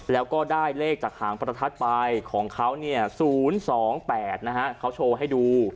แล้วก็ได้เลขจากหางประทัดไปของเขา๐๒๘เขาโชว์ให้ดู